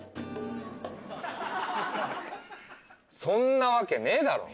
そんなわけねえだろ！